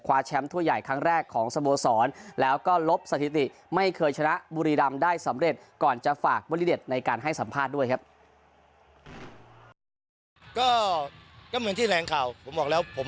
แชมป์ถ้วยใหญ่ครั้งแรกของสโมสรแล้วก็ลบสถิติไม่เคยชนะบุรีรำได้สำเร็จก่อนจะฝากบอลลิเด็ดในการให้สัมภาษณ์ด้วยครับ